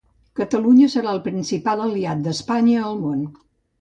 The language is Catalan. Catalunya serà el principal aliat d’Espanya al Món